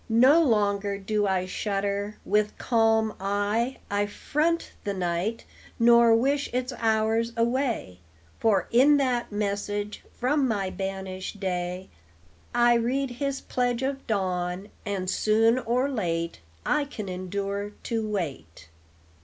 No longer do I shudder. With calm eye I front the night, nor wish its hours away; For in that message from my banished day I read his pledge of dawn, and soon or late I can endure to wait.